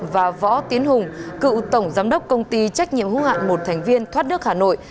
và võ tiến hùng cựu tổng giám đốc công ty trách nhiệm hữu hạn một thành viên thoát nước hà nội